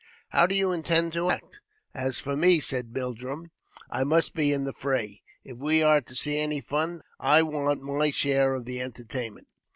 , How do you intend to act ?"]■" As for me," said Mildrum, " I must be in the fray. If we ■ are to see any fun, I want my share of the entertainment."